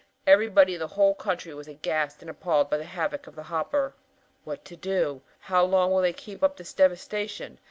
Everybody, the whole country, was aghast and appalled at the havoc of the hopper. "What to do? How long will they keep up this devastation?